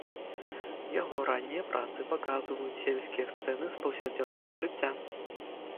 Яго раннія працы паказваюць сельскія сцэны з паўсядзённага жыцця.